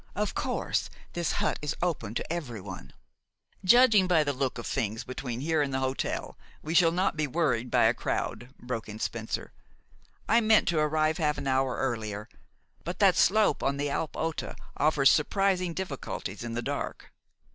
"Of course, this hut is open to everyone " "Judging by the look of things between here and the hotel, we shall not be worried by a crowd," broke in Spencer. "I meant to arrive half an hour earlier; but that slope on the Alp Ota offers surprising difficulties in the dark."